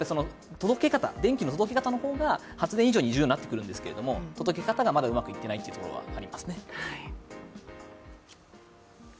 電気の届け方の方が発電以上に重要になってくるんですけれども届け方がまだうまくいっていないというところはありますね。